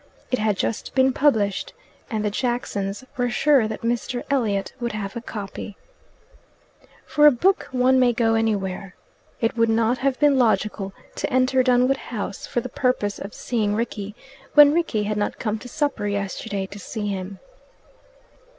It had just been published, and the Jacksons were sure that Mr. Elliot would have a copy. For a book one may go anywhere. It would not have been logical to enter Dunwood House for the purpose of seeing Rickie, when Rickie had not come to supper yesterday to see him.